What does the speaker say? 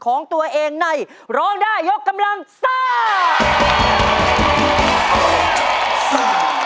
ของตัวเองในร้องได้ยกกำลังซ่า